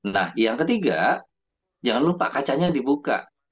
nah yang ketiga jangan lupa kacanya dibuka